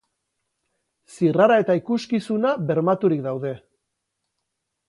Zirrara eta ikuskizuna bermaturik daude.